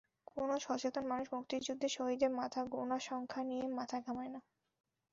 কোনো সচেতন মানুষ মুক্তিযুদ্ধে শহীদের মাথা গোনা সংখ্যা নিয়ে মাথা ঘামায় না।